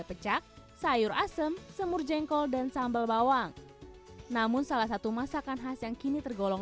pecak sayur asem semur jengkol dan sambal bawang namun salah satu masakan khas yang kini tergolong